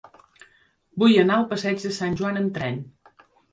Vull anar al passeig de Sant Joan amb tren.